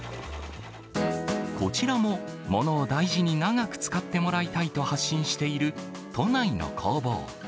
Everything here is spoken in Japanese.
こちらも、ものを大事に長く使ってもらいたいと発信している、都内の工房。